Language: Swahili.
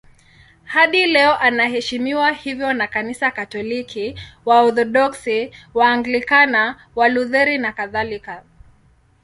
Hadi leo anaheshimiwa hivyo na Kanisa Katoliki, Waorthodoksi, Waanglikana, Walutheri nakadhalika.